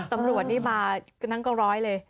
ตำรวจนี่มานั่งกองร้อยเลย